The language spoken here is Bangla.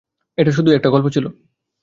এটা শুধুই একটা গল্প ছিল।